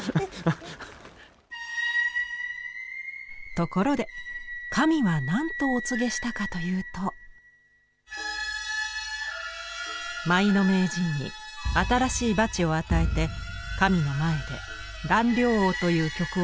ところで神は何とお告げしたかというと「舞の名人に新しいバチを与えて神の前で『蘭陵王』という曲を舞わせなさい」。